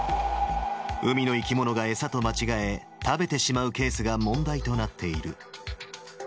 海の生き物が餌と間違え、食べてしまうケースが問題となっている。